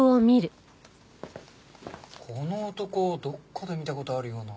この男どこかで見た事あるような。